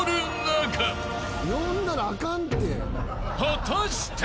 ［果たして］